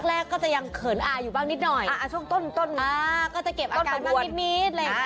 แรกก็จะยังเขินอาอยู่บ้างนิดหน่อยอ่าช่วงต้นต้นอ่าก็จะเก็บอาการบ้างนิดนิดเลยค่ะ